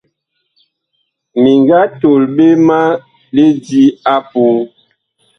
Mi nga tol ɓe ma lidi apuu.